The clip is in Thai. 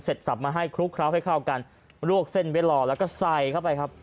สับมาให้คลุกเคล้าให้เข้ากันลวกเส้นไว้รอแล้วก็ใส่เข้าไปครับ